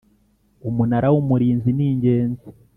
Umunara w’ Umurinzi ningenzi.